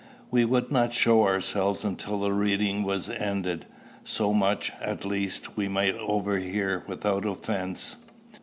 We would not show ourselves until the reading was ended: so much, at least, we might overhear without offence.